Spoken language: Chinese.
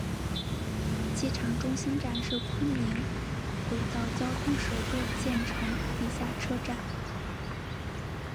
机场中心站是昆明轨道交通首个建成地下车站。